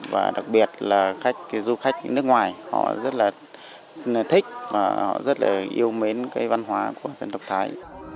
và đặc biệt là khách du khách nước ngoài họ rất là thích và họ rất là yêu mến cái văn hóa của dân tộc thái